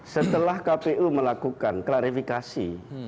setelah kpu melakukan klarifikasi